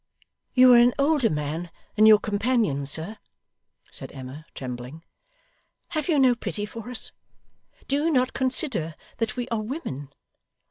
'You are an older man than your companion, sir,' said Emma, trembling. 'Have you no pity for us? Do you not consider that we are women?